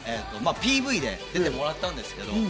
ＰＶで出てもらったんですけど。